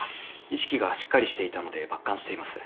意識がしっかりしていたので抜管しています。